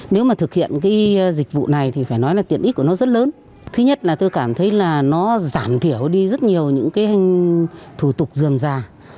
nếu mà thực hiện cái dịch vụ này thì phải nói là tiện ích của nó rất lớn thứ nhất là tôi cảm thấy là nó giảm thiểu đi rất nhiều những cái thủ tục dườm già